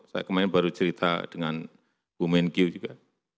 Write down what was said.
saya kemarin baru cerita dengan bu menkyu juga